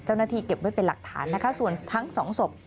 เจ้าหน้าที่เก็บไว้เป็นหลักฐานส่วนทั้ง๒ศพ